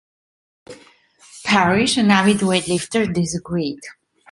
Parrish, an avid weight lifter, disagreed.